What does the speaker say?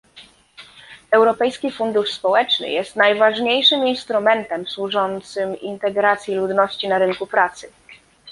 Europejski Fundusz Społeczny jest najważniejszym instrumentem służącym integracji ludności na rynku pracy